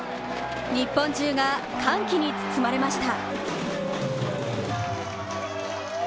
日本中が歓喜に包まれました。